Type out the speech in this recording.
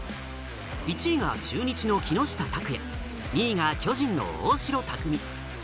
１位が中日の木下拓哉、２位が巨人の大城卓三。